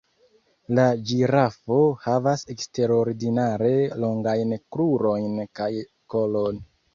La ĝirafo havas eksterordinare longajn krurojn kaj kolon.